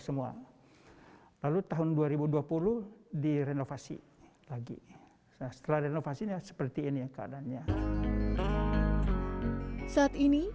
semua lalu tahun dua ribu dua puluh direnovasi lagi setelah renovasinya seperti ini keadaannya saat ini